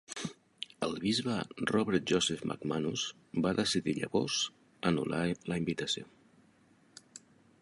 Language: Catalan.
El bisbe Robert Joseph McManus va decidir llavors anul·lar la invitació.